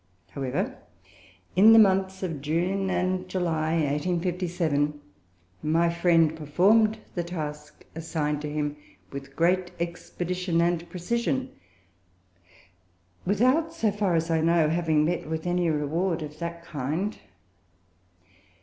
However, in the months of June and July, 1857, my friend performed the task assigned to him with great expedition and precision, without, so far as I know, having met with any reward of that kind.